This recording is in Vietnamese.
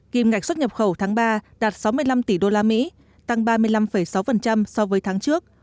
kim ngạch xuất nhập khẩu tháng ba đạt sáu mươi năm tỷ usd tăng ba mươi năm sáu so với tháng trước